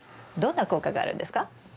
どんな効果があるんですか？